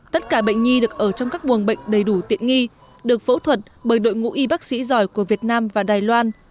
tất cả bệnh nhi được ở trong các buồng bệnh đầy đủ tiện nghi được phẫu thuật bởi đội ngũ y bác sĩ giỏi của việt nam và đài loan